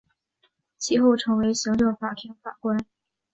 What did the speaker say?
其后成为行政法庭法官。